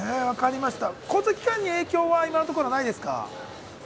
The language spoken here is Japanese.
交通機関に影響は今のところはないですか？